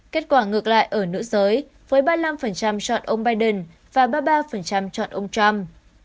kết quả ngược lại ở nữ giới với ba mươi năm chọn ông biden và ba mươi ba chọn ông trump